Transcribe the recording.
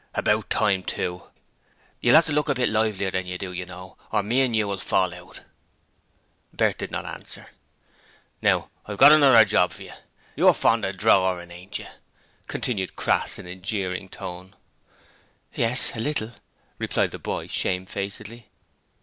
'About time, too. You'll 'ave to look a bit livelier than you do, you know, or me and you will fall out.' Bert did not answer. 'Now I've got another job for yer. You're fond of drorin, ain't yer?' continued Crass in a jeering tone. 'Yes, a little,' replied the boy, shamefacedly.